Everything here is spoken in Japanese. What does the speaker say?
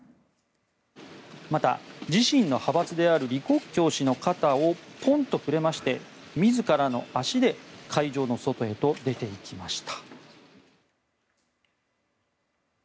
また、自身の派閥である李克強氏の肩にポンと触れまして自らの足で会場の外へと出ていきました。